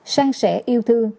sang sẻ yêu thương